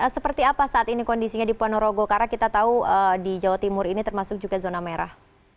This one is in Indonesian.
seperti apa saat ini kondisinya di ponorogo karena kita tahu di jawa timur ini termasuk juga zona merah